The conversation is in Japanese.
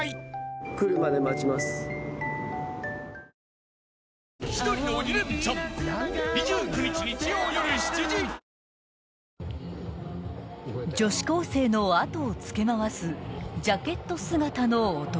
⁉ＬＧ２１［女子高生の後をつけ回すジャケット姿の男］